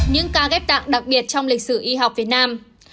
những ca ghép tạng đặc biệt trong lịch sử y học việt nam